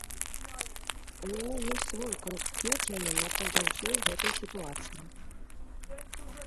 У мяне ёсць свой пункт гледжання наконт усёй гэтай сітуацыі.